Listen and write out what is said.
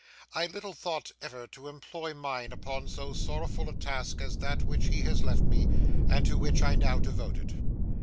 I little thought ever to employ mine upon so sorrowful a task as that which he has left me, and to which I now devote it.